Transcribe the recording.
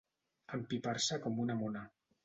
Empipar-se com una mona.